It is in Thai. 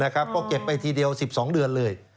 ก็เก็บไปทีเดียว๑๒เดือนเลย